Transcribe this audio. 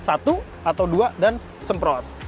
satu atau dua dan semprot